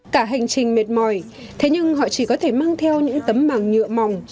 cả hành trình mệt mỏi thế nhưng họ chỉ có thể mang theo những tấm màng nhựa mỏng